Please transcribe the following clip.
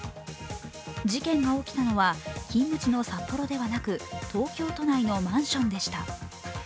事件が起きたのは勤務地の札幌ではなく東京都内のマンションでした。